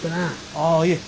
あぁいえ。